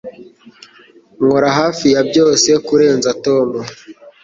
Nkora hafi ya byose kurenza Tom.